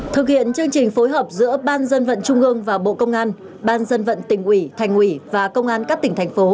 thực hiện chương trình phối hợp giữa ban dân vận trung ương và bộ công an ban dân vận tỉnh ủy thành ủy và công an các tỉnh thành phố